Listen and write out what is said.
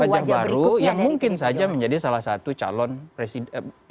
wajah baru yang mungkin saja menjadi salah satu calon presiden